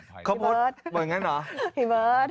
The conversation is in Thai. พี่เบิร์ทบอกอย่างนั้นเหรอพี่เบิร์ท